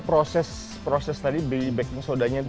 karena proses tadi di baking sodanya